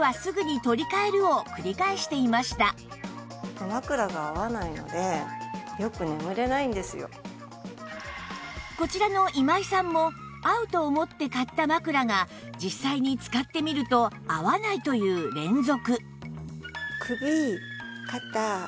こちらの関さんはこちらの今井さんも合うと思って買った枕が実際に使ってみると合わないという連続